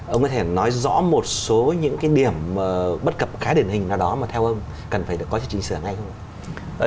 ông có thể nói rõ một số những cái điểm bất cập khá điển hình nào đó mà theo ông cần phải được có cho chỉnh sửa ngay không ạ